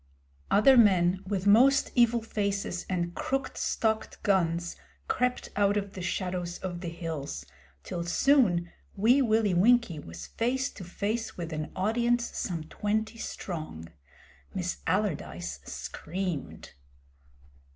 Other men with most evil faces and crooked stocked guns crept out of the shadows of the hills, till, soon, Wee Willie Winkie was face to face with an audience some twenty strong. Miss Allardyce screamed.